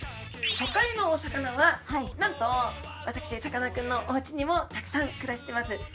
初回のお魚はなんと私さかなクンのおうちにもたくさん暮らしてます